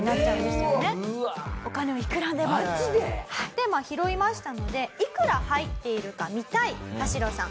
でまあ拾いましたのでいくら入っているか見たいタシロさん。